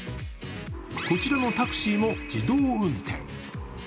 こちらのタクシーも自動運転。